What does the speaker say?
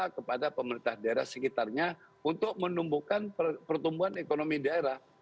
kepada pemerintah daerah sekitarnya untuk menumbuhkan pertumbuhan ekonomi daerah